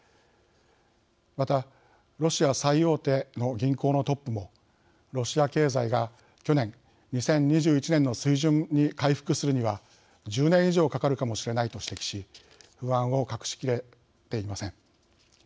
またロシア最大手の銀行のトップもロシア経済が去年２０２１年の水準に回復するには１０年以上かかるかもしれないと指摘し不安を隠しきれていません。